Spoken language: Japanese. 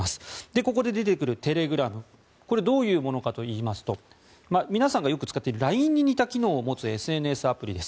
ここで出てくるテレグラムどういうものかといいますと皆さんがよく使っているＬＩＮＥによく似た機能を持つＳＮＳアプリです。